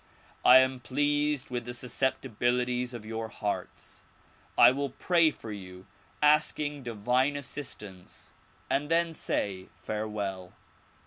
I am pleased with the susceptibilities of your hearts. I will pray for you asking divine assistance and then say farewell.